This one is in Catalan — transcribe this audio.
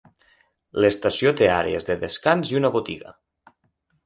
L'estació té àrees de descans i una botiga.